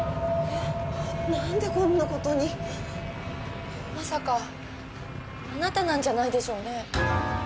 えっ何でこんなことにまさかあなたなんじゃないでしょうね？